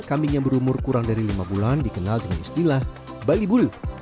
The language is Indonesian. kambing yang berumur kurang dari lima bulan dikenal dengan istilah balibul